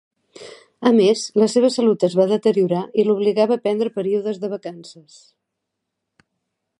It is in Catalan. A més, la seva salut es va deteriorar i l'obligava a prendre períodes de vacances.